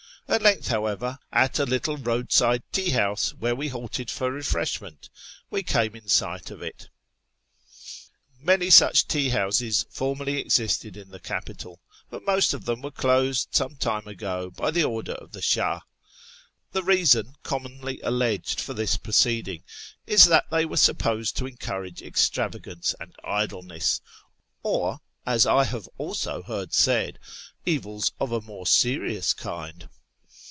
At length, however, at a little roadside tea house, where we halted for refreshment, we came in sight of it. j\Iany such tea houses formerly existed in the capital, but most of them were closed some time ago by order of the Sh;lh. The reason commonly alleged for this proceeding is that they were supposed to encourage extravagance and idleness, or, as I have also heard said, evils of a more serious kind.